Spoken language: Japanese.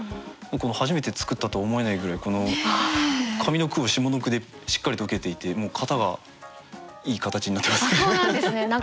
初めて作ったと思えないぐらい上の句を下の句でしっかりと受けていてもう型がいい形になってます。